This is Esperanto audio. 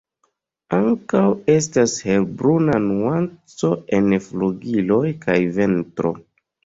Ankaŭ estas helbruna nuanco en flugiloj kaj ventro.